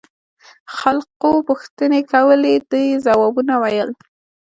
خلقو پوښتنې کولې ده يې ځوابونه ويل.